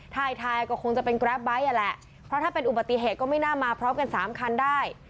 ทายก็คงจะเป็นกราฟไบท์อ่ะแหละเพราะถ้าเป็นอุบัติเหตุก็ไม่น่ามาพร้อมกันสามคันได้